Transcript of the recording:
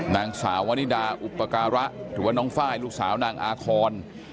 นางสาววนิดาอุปการะหรือว่าน้องไฟล์ลูกสาวนางอาคอน